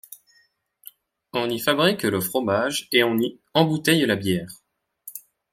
On y fabrique le fromage et on y embouteille la bière.